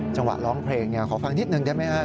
จังหวะร้องเพลงขอฟังนิดนึงได้ไหมครับ